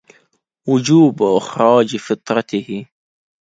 وُجُوبُ إخْرَاجِ فِطْرَتِهِ